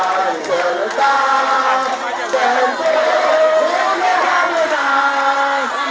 bagi serentak dan selalu berhati hati